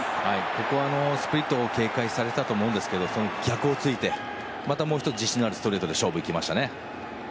ここはスプリットを警戒されたと思うんですがその逆を突いて、またもう１つ自信のあるストレートで勝負にいきましたね。